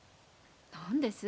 何です？